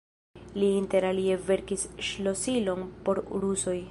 Li inter alie verkis ŝlosilon por rusoj.